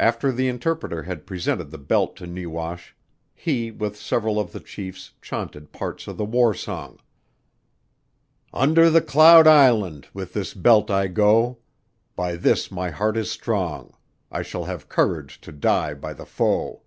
After the interpreter had presented the belt to NEWASH, he with several of the chiefs chaunted parts of the war song: "Under the Cloud Island With this belt I go; By this my heart is strong, I shall have courage to die by the foe.